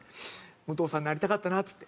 「武藤さんになりたかったな」っつって。